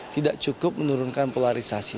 tidak cukup menurunkan polarisasi